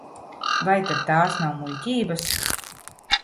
Vai tad tās nav muļķības?